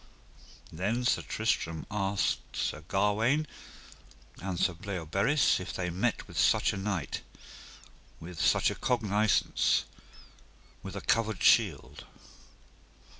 Then Sir Tristram asked Sir Gawaine and Sir Bleoberis if they met with such a knight, with such a cognisance, with a covered shield.